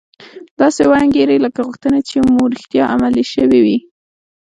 داسې و انګیرئ لکه غوښتنې چې مو رښتیا عملي شوې وي